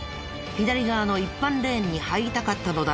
左側の一般レーンに入りたかったのだろうか？